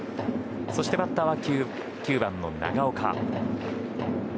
そしてバッターは９番の長岡。